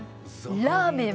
ラーメン！